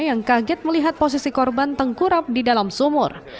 yang kaget melihat posisi korban tengkurap di dalam sumur